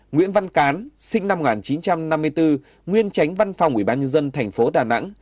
ba nguyễn văn cán sinh năm một nghìn chín trăm năm mươi bốn nguyên tránh văn phòng ủy ban nhân dân tp đà nẵng